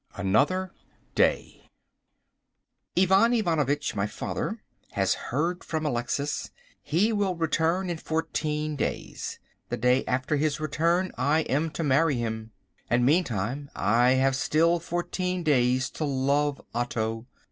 Another Day. Ivan Ivanovitch, my father, has heard from Alexis. He will return in fourteen days. The day after his return I am to marry him. And meantime I have still fourteen days to love Otto.